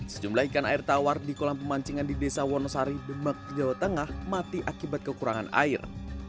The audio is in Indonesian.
sejumlah ikan air tawar di kolam pemancingan di desa wonosari demak jawa tengah mati akibat kekurangan air